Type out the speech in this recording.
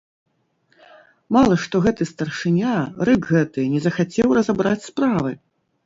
Мала што гэты старшыня, рык гэты, не захацеў разабраць справы.